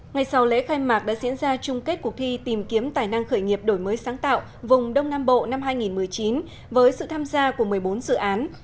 ngày sau lễ khai mạc đã diễn ra chung kết cuộc thi tìm kiếm tài năng khởi nghiệp đổi mới sáng tạo vùng đông nam bộ năm hai nghìn một mươi chín với sự tham gia của một mươi bốn dự án